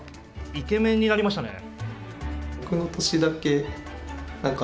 イケメンになりましたね。